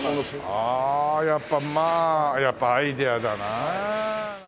ああやっぱまあやっぱアイデアだなあ。